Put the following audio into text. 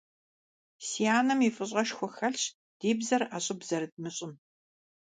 Си анэм и фӀыщӀэшхуэ хэлъщ ди бзэр ӀэщӀыб зэрыдмыщӀым.